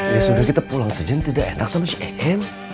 ya sudah kita pulang sejen tidak enak sama em